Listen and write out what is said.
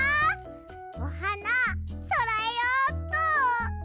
おはなそろえようっと！